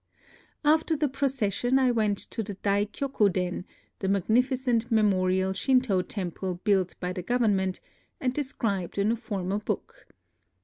After the procession I went to the Dai Kioku Den, the magnificent memorial Shinto temple built by the government, and described in a former book.